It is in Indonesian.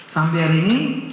sampai hari ini